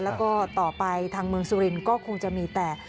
แล้วก็ต่อไปทางเมืองสุรินทร์ก็คงจะมีแต่